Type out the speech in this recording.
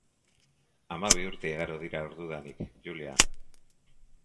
Hamabi urte igaro dira ordudanik, Julia.